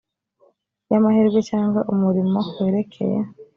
y amahirwe cyangwa umurimo werekeye